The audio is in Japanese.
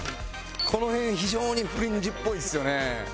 この辺非常に「フリンジ」っぽいですよね。